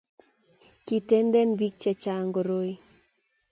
kiitenten biik che chang' koroi